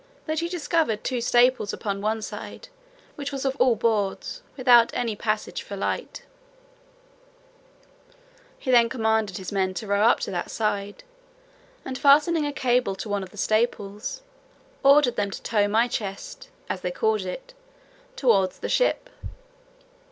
That he discovered two staples upon one side, which was all of boards, without any passage for light. He then commanded his men to row up to that side, and fastening a cable to one of the staples, ordered them to tow my chest, as they called it, toward the ship.